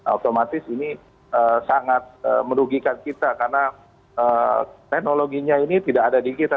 otomatis ini sangat merugikan kita karena teknologinya ini tidak ada di kita